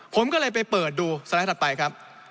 ผมก็เลยไปเปิดดูสไลด์ถัดไปครับ